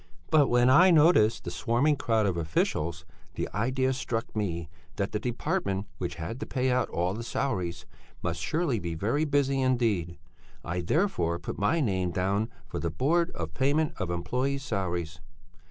But when I noticed the swarming crowd of officials, the idea struck me that the department which had to pay out all the salaries must surely be very busy indeed. I therefore put my name down for the Board of Payment of Employés' Salaries."